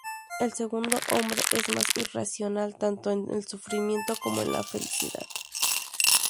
El segundo hombre, es más irracional, tanto en el sufrimiento como en la felicidad.